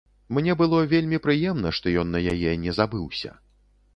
Мне было вельмі прыемна, што ён на яе не забыўся.